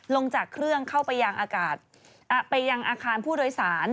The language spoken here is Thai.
ลงจากเครื่องเข้าไปยางอาคารผู้โดยสาร